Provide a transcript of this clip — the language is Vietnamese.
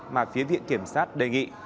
mà phía viện kiểm sát đề nghị